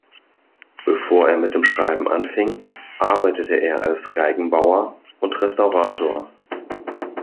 Bevor er mit dem Schreiben anfing, arbeitete er als Geigenbauer und Restaurator.